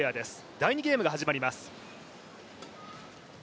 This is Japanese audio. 第２ゲームが始まります。